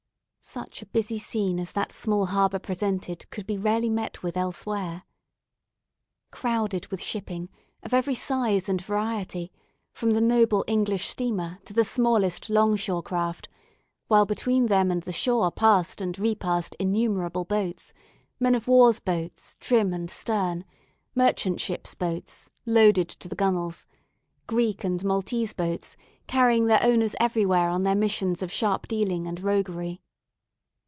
Such a busy scene as that small harbour presented could be rarely met with elsewhere. Crowded with shipping, of every size and variety, from the noble English steamer to the smallest long shore craft, while between them and the shore passed and repassed innumerable boats; men of war's boats, trim and stern; merchant ship's boats, laden to the gunwales; Greek and Maltese boats, carrying their owners everywhere on their missions of sharp dealing and roguery.